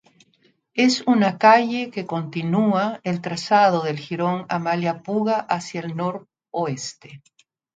Es una calle que continúa el trazado del jirón Amalia Puga hacia el noroeste.